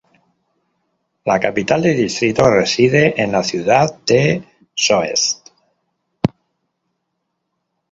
La capital de distrito reside en la ciudad de Soest.